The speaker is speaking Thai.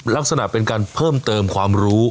ลักษณะเป็นการเพิ่มเติมความรู้